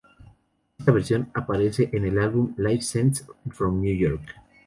Ésta versión aparece en el álbum Live Scenes From New York.